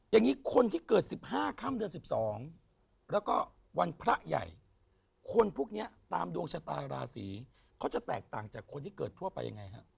อย่างนี้คนที่เกิด๑๕ค่ำเดือน๑๒แล้วก็วันพระใหญ่คนพวกนี้ตามดวงชะตาราศีเขาจะแตกต่างจากคนที่เกิดทั่วไปยังไงฮะ